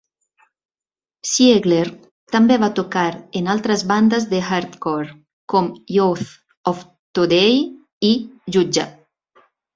Siegler també va tocar en altres bandes de hardcore, com Youth of Today i Judge.